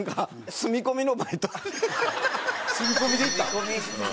住み込みで行ったん？